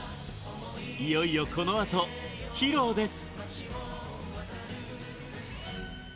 いよいよ、このあと披露です！